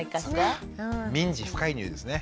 民事不介入ですね。